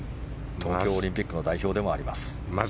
東京オリンピックの代表でもあります。